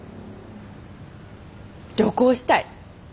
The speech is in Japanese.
旅行したい。